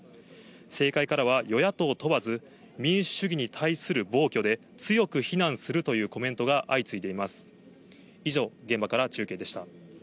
政界からは、与野党問わず、民主主義に対する暴挙で、強く非難するというコメントが相次いでいます。